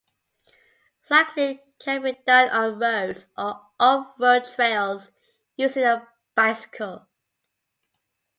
Cycling can be done on roads or off-road trails using a bicycle.